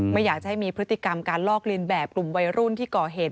ไม่อยากจะให้มีพฤติกรรมการลอกเลียนแบบกลุ่มวัยรุ่นที่ก่อเหตุ